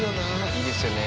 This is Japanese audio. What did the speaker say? いいですよね。